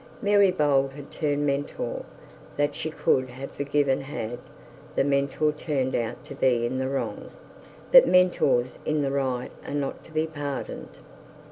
Mary Bold had turned Mentor. That she could have forgiven had the Mentor turned out to be in the wrong; but Mentors in the right are not to be pardoned.